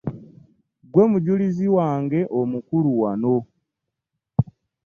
Ggwe mujulizi wange omukulu wano.